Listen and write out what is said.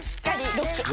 ロック！